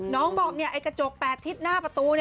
น้องบอกไอ้กระจก๘ทิศหน้าประตู